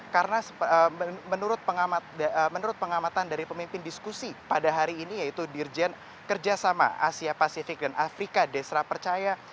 karena menurut pengamatan dari pemimpin diskusi pada hari ini yaitu dirjen kerjasama asia pasifik dan afrika desra percaya